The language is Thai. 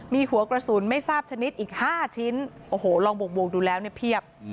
มีหัวกระสุนไม่ทราบชนิดอีก๕ชิ้นโอ้โหลองบวกดูแล้วเนี่ยเพียบ